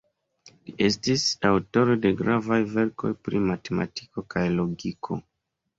Li estis aŭtoro de gravaj verkoj pri matematiko kaj logiko.